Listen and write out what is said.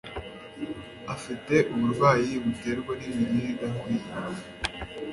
afite uburwayi buterwa nimirire idakwiriye